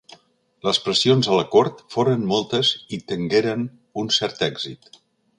Les pressions a la cort foren moltes i tengueren un cert èxit.